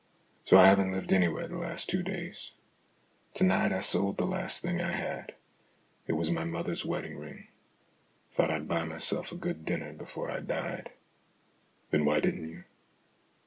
So I haven't lived anywhere the last two days. To night I sold the last thing I had. It was my mother's wedding ring. I thought I'd buy myself a good dinner before I died." " Then why didn't you